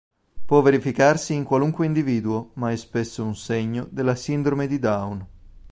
Può verificarsi in qualunque individuo, ma è spesso un segno della sindrome di Down.